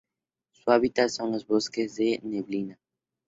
Su hábitat son los bosques de neblina.